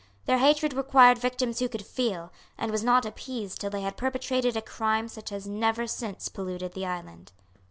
Their hatred required victims who could feel, and was not appeased till they had perpetrated a crime such as has never since polluted the island.